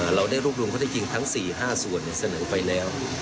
เราได้รวบรวมข้อได้จริงทั้ง๔๕ส่วนเสนอไปแล้ว